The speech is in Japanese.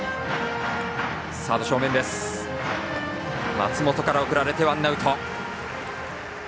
松本から送られてワンアウト。